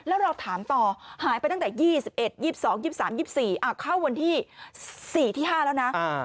แล้วเราถามต่อหายไปตั้งแต่๒๑๒๒๒๓๒๔เข้าวันที่๔ที่๕แล้วนะ